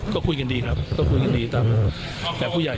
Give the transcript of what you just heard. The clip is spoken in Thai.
ก็คุยกันดีครับก็คุยกันดีตามแต่ผู้ใหญ่